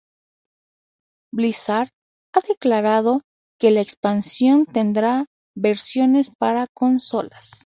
Blizzard ha declarado que la expansión tendrá versiones para consolas.